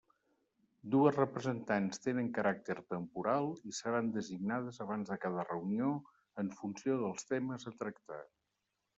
Dues representants tenen caràcter temporal i seran designades abans de cada reunió en funció dels temes a tractar.